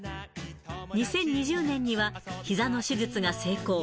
２０２０年には、ひざの手術が成功。